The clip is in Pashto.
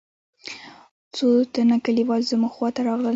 څو تنه کليوال زموږ خوا ته راغلل.